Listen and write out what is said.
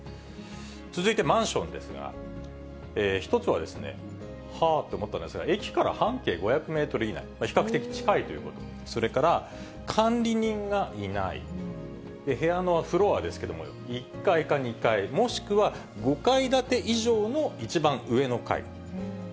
続いてマンションですが、１つははぁって思ったんですが、駅から半径５００メートル以内、比較的近いということ、それから管理人がいない、部屋のフロアですけれども、１階か２階、もしくは５階建て以上の一番上の階。